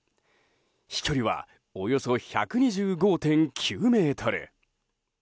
飛距離は、およそ１２５．９ｍ。